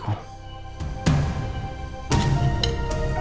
ya udah lama sekali